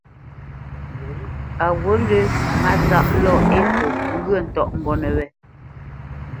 A ghǔt lə́ Mátsáʼ lɔ Ekô ŋgyə̌ ntɔ́ʼmbónə̄ wé.